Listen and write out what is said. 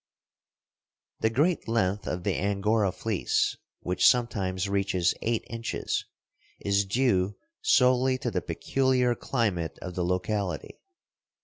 The great length of the Angora fleece, which sometimes reaches eight inches, is due solely to the peculiar climate of the locality.